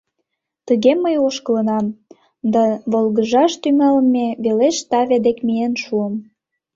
Тыге мый ошкылынам — да волгыжаш тӱҥалме велеш таве дек миен шуым.